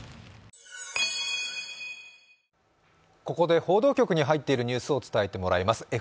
ここで報道局に入っているニュースを伝えてもらいます。